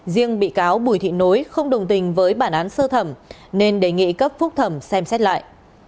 riêng bị cáo bùi thị nối không đồng tình với bản án sơ thẩm nên đề nghị cấp phúc thẩm xem xét lại